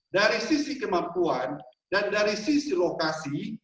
dari sisi kemampuan dan dari sisi lokasi